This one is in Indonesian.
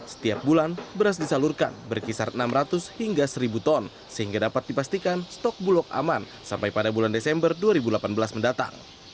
setiap bulan beras disalurkan berkisar enam ratus hingga seribu ton sehingga dapat dipastikan stok bulog aman sampai pada bulan desember dua ribu delapan belas mendatang